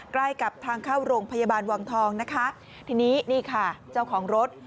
ใกล้กับทางเข้าโรงพยาบาลวังทองนะคะทีนี้นี่ค่ะเจ้าของรถ